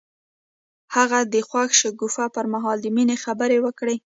هغه د خوښ شګوفه پر مهال د مینې خبرې وکړې.